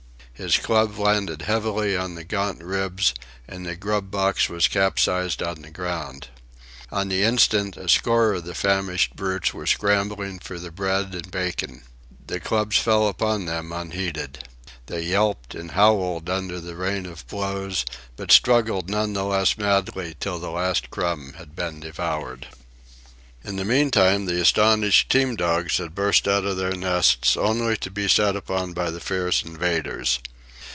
His club landed heavily on the gaunt ribs, and the grub box was capsized on the ground. On the instant a score of the famished brutes were scrambling for the bread and bacon. The clubs fell upon them unheeded. They yelped and howled under the rain of blows, but struggled none the less madly till the last crumb had been devoured. In the meantime the astonished team dogs had burst out of their nests only to be set upon by the fierce invaders.